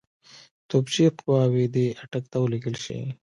توپچي قواوې دي اټک ته ولېږل شي.